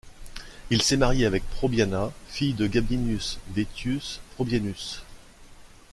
Il s'est marié avec Probiana, fille de Gabinius Vettius Probianus.